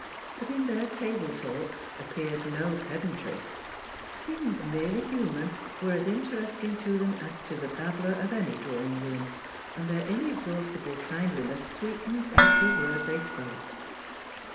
But in their table talk appeared no pedantry; things merely human were as interesting to them as to the babbler of any drawing room, and their inexhaustible kindliness sweetened every word they spoke.